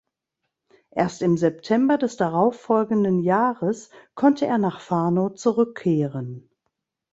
Erst im September des darauffolgenden Jahres konnte er nach Fano zurückkehren.